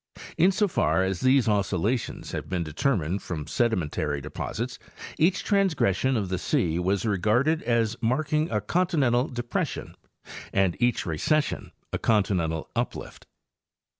In so far as these oscillations have been determined from sedimentary deposits, cach trans gression of the sea was regarded as marking a continental depres sion, and each recession a continental uplift.